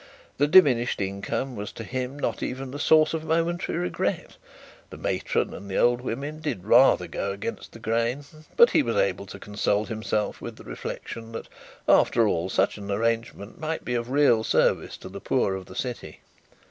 The diminished income was to him not even the source of momentary regret. The matron and the old women did rather go against the grain; but he was able to console himself with the reflection, that, after all, such an arrangement might be of real service to the poor of the city.